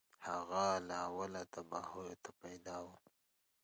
هغه له اوله تباهیو ته پیدا و